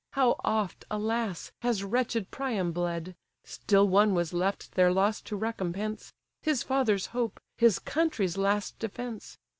How oft, alas! has wretched Priam bled! Still one was left their loss to recompense; His father's hope, his country's last defence.